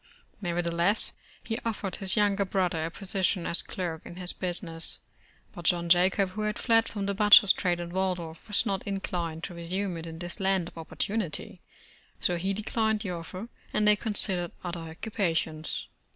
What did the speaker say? Nev ertheless, he offered his younger brother a position as clerk in his business, but John Jacob, who had fled from the batcher's trade in Waldorf, v\^as not in clined to resume it in this land of opportunity, so he declined the offer, and they considered other occupa tions.